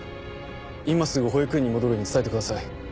今すぐ保育園に戻るように伝えてください。